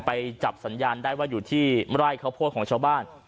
ไปจับสัญญาณได้ว่าอยู่ที่ไร่ข้าวโพดของชาวบ้าน